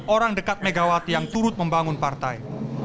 orang dekat megawati yang turut membangun partai